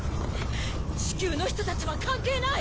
チキュウの人たちは関係ない！